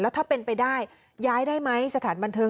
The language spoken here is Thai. ถ้าเป็นไปได้ย้ายได้ไหมสถานบันเทิง